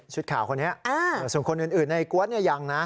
ข่าวคนนี้ส่วนคนอื่นในก๊วดเนี่ยยังนะ